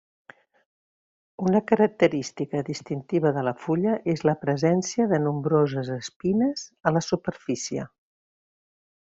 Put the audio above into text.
Una característica distintiva de la fulla és la presència de nombroses espines a la superfície.